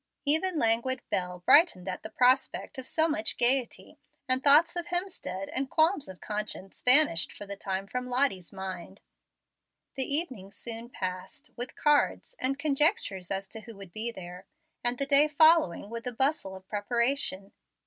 Even languid Bel brightened at the prospect of so much gayety; and thoughts of Hemstead and qualms of conscience vanished for the time from Lottie's mind. The evening soon passed, with cards and conjectures as to who would be there, and the day following, with the bustle of preparation.